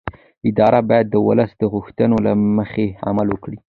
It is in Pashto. ادارې باید د ولس د غوښتنو له مخې عمل وکړي